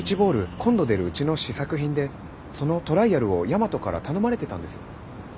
今度出るうちの試作品でそのトライアルを大和から頼まれてたんです。